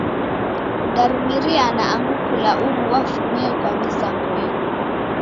Darumiriana angu kula umu wafumie kwa mizango imu.